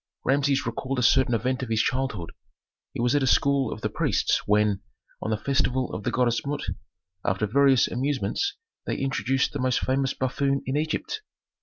Rameses recalled a certain event of his childhood. He was at a school of the priests when, on the festival of the goddess Mut, after various amusements they introduced the most famous buffoon in Egypt.